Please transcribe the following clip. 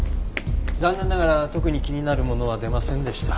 残念ながら特に気になるものは出ませんでした。